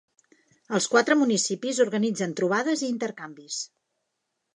Els quatre municipis organitzen trobades i intercanvis.